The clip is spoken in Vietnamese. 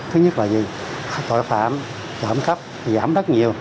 thứ nhất là vì tội phạm giảm khắp giảm rất nhiều